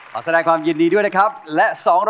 และ๒๙๐คะแนนในวันนี้ผ่านครับประการ